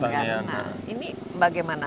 nah ini bagaimana